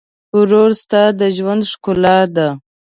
ورور ستا د ژوند ښکلا ده.